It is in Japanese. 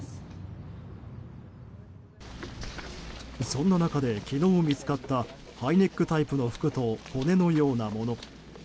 そんな中で、昨日見つかったハイネックタイプの服と骨のようなもの。